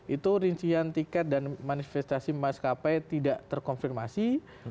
itu rincian tiket dan manifestasi mas kp tidak terkonfirmasi